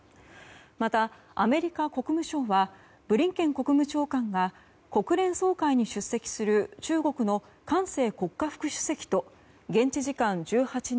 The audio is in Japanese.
また、アメリカ国務省はブリンケン国務長官が国連総会に出席する中国の韓正国家副主席と現地時間１８日